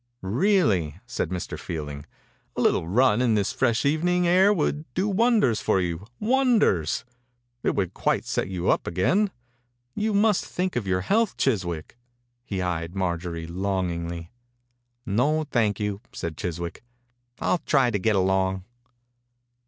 "Really," said Mr. Fielding, «a little run in this fresh eve ning air would do wonders for you; wonders 1 It would quite set you up again. You must think of your health, Chiswick." He eyed Marjorie longingly. « No, thank you," said Chis wick. "I'll try to get along."